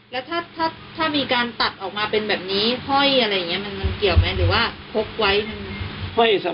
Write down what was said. และถ้าถ้าถ้ามีการตัดออกมาเป็นแบบนี้เฮ้ยอะไรอย่างเงี้ย